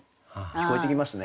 聞こえてきますね。